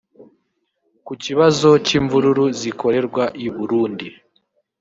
Ku kibazo cy’imvururu zikorerwa I Burundi